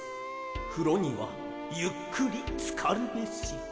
「ふろにはゆっくりつかるべし」